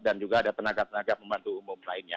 dan juga ada tenaga tenaga pembantu umum lainnya